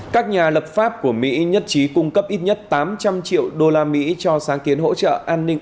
các nhà lập pháp của mỹ nhất trí cung cấp ít nhất tám trăm linh triệu đô la mỹ cho sáng kiến hỗ trợ an ninh